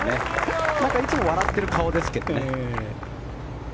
いつも笑ってる顔ですけどね。